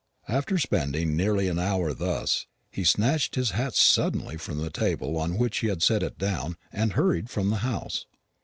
After spending nearly an hour thus, he snatched his hat suddenly from the table on which he had set it down, and hurried from the house.